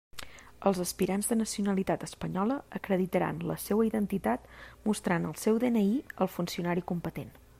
Els aspirants de nacionalitat espanyola acreditaran la seua identitat mostrant el seu DNI al funcionari competent.